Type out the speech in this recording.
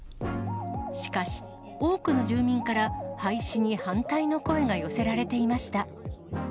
しかし、多くの住民から廃止に反対の声が寄せられていました。